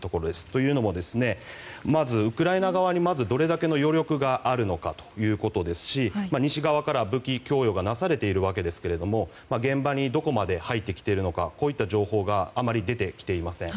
というのも、まずウクライナ側にどれだけの余力があるのかということですし西側から武器供与がなされているわけですが現場にどこまで入ってきているのかという情報があまり出てきていません。